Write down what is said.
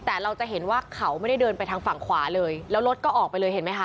แต่เราจะเห็นว่าเขาไม่ได้เดินไปทางฝั่งขวาเลยแล้วรถก็ออกไปเลยเห็นไหมคะ